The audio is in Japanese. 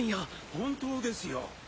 本当ですよ。